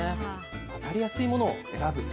当たりやすいものを選ぶ。